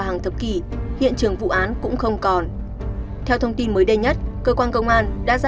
hàng thập kỷ hiện trường vụ án cũng không còn theo thông tin mới đây nhất cơ quan công an đã ra